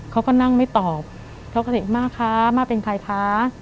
เขาก็นั่งไม่ตอบเขาก็เด็กม่าคะม่าเป็นใครคะ